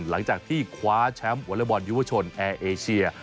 หลังจากที่คว้าแชมป์วอเล็กบอลยุวชนแอร์เอเชีย